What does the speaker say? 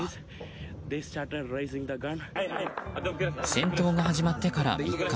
戦闘が始まってから３日。